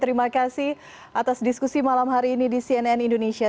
terima kasih atas diskusi malam hari ini di cnn indonesia